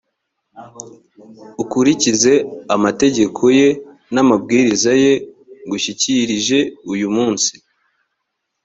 ukurikize amategeko ye n’amabwiriza ye ngushyikirije uyu munsi.